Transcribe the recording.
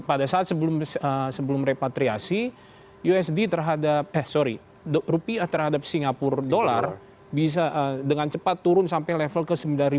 pada saat sebelum repatriasi usd terhadap eh sorry rupiah terhadap singapura dolar dengan cepat turun sampai level ke sembilan ribu empat ratus